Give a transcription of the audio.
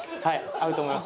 合うと思います。